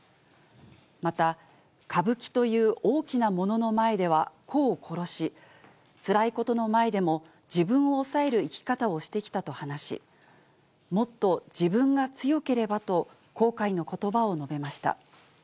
また、歌舞伎という大きなものの前では個を殺し、つらいことの前でも自分を抑える生き方をしてきたと話し、もっと自分が強ければと後悔のことばを述べました。